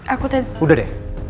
aku tadi udah deh